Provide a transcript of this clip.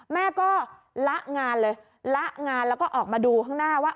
แม่ก็ละงานเลยละงานแล้วก็ออกมาดูข้างหน้าว่า